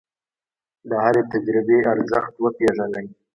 د هرې تجربې ارزښت وپېژنئ.